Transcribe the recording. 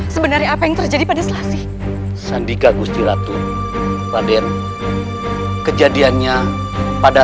sebenarnya apa yang terjadi pada selasi sandika gusti ratu raden kejadiannya pada